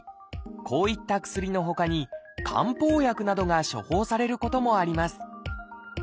こういった薬のほかに漢方薬などが処方されることもあります